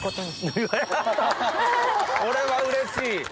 これはうれしい！